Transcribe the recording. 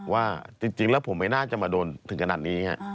ว่าจริงแล้วผมไม่น่าจะมาโดนถึงขนาดนี้